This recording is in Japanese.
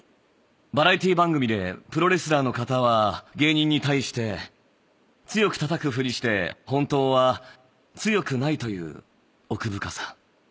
バラエティ番組でプロレスラーの方は芸人に対して強くたたくふりして本当は強くないという奥深さ。